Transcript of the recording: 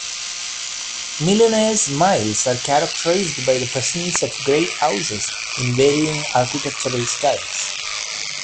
Millionaires' Miles are characterized by the presence of great houses in varying architectural styles.